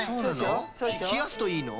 ひやすといいの？